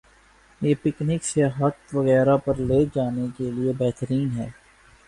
۔ یہ پکنک ، سیاحت وغیرہ پرلے جانے کے لئے بہترین ہے۔